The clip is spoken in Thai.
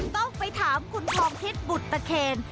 ต้องไปถามคุณทองทิศบุตรเทรน